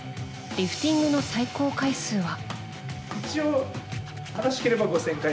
リフティングの最高回数は。